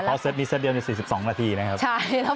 เฉพาะเซตนี้เซตเดียวมันเป็น๔๒นาทีนะครับ